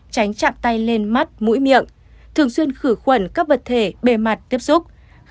tránh chạm tay lên mắt mũi miệng thường xuyên khử khuẩn các vật thể bề mặt tiếp xúc